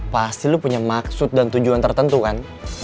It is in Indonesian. pasti lu punya maksud dan tujuan tertentu kan